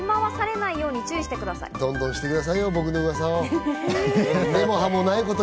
どんどんしてくださいよ、僕のうわさを。